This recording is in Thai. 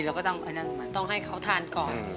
เราก็ต้องให้เขาทานก่อน